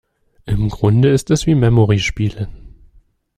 Im Grunde ist es wie Memory spielen.